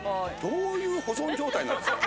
どういう保存状態なんですか？